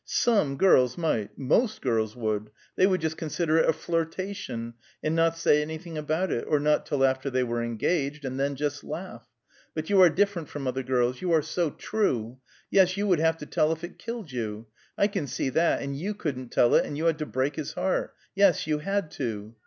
"Some girls might; most girls would. They would just consider it a flirtation, and not say anything about it, or not till after they were engaged, and then just laugh. But you are different from other girls you are so true! Yes, you would have to tell it if it killed you; I can see that; and you couldn't tell it, and you had to break his heart. Yes, you had to!"